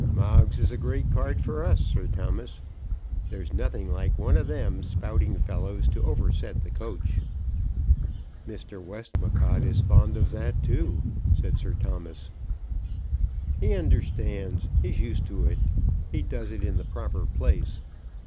Moggs is a great card for us, Sir Thomas. There's nothing like one of them spouting fellows to overset the coach." "Mr. Westmacott is fond of that too," said Sir Thomas. "He understands. He's used to it. He does it in the proper place.